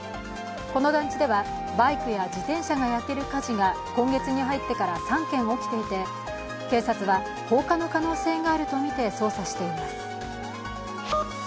この団地ではバイクや自転車が焼ける火事が今月に入ってから３件起きていて警察は放火の可能性があるとみて捜査しています。